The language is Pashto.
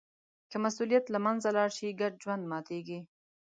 که مسوولیت له منځه لاړ شي، ګډ ژوند ماتېږي.